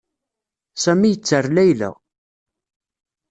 Sami yetter Layla.